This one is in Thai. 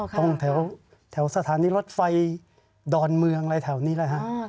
ตรงแถวสถานีรถไฟดอนเมืองอะไรแถวนี้แหละฮะ